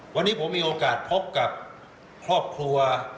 วันนี้ผมมีโอกาสพบกับครอบครัว